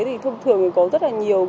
thì thông thường thì có rất là nhiều